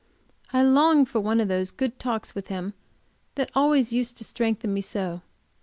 I long for one of those good talks with him which always used to strengthen me so.